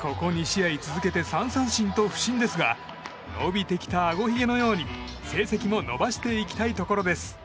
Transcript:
ここ２試合続けて３三振と不振ですが伸びてきたあごひげのように成績も伸ばしていきたいところです。